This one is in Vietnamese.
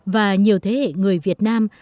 và nhiều thế hệ người việt nam